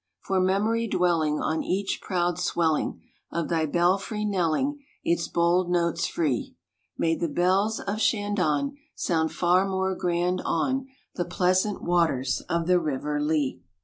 For memory dwelling on each proud swelling Of thy belfry knelling its bold notes free, Made the bells of Shandon sound far more grand on The pleasant waters of the River Lee.